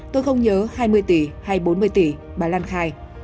tôi không nhớ hai mươi tỷ hay bốn mươi tỷ bà lan khai